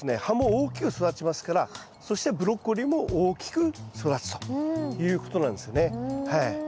葉も大きく育ちますからそしてブロッコリーも大きく育つということなんですよね。